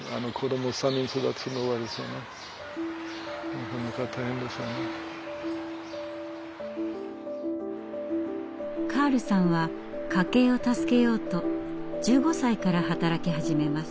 全然今考えるとカールさんは家計を助けようと１５歳から働き始めます。